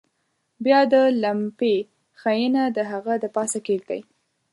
بیا د لمپې ښيښه د هغه د پاسه کیږدئ.